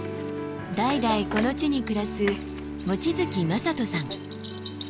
代々この地に暮らす望月正人さん。